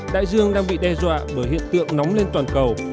đại dương đang bị đe dọa bởi hiện tượng nóng lên toàn cầu